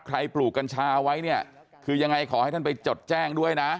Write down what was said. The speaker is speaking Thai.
ปลูกกัญชาไว้เนี่ยคือยังไงขอให้ท่านไปจดแจ้งด้วยนะ